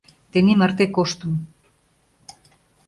Тений марте коштым.